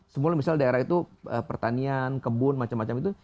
semula misalnya daerah itu pertanian kebun macam macam itu